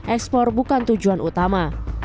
ekspor bukan tujuan utama